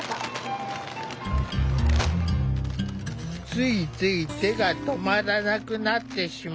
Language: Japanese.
ついつい手が止まらなくなってしまう。